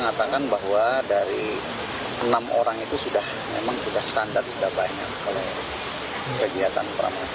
ya sudah ada pemeriksaan